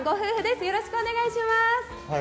よろしくお願いします。